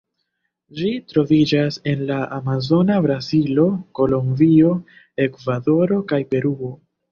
Ĝi troviĝas en la amazona Brazilo, Kolombio, Ekvadoro kaj Peruo.